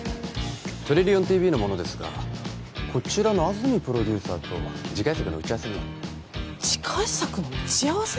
トリリオンＴＶの者ですがこちらの安住プロデューサーと次回作の打ち合わせに次回作の打ち合わせ？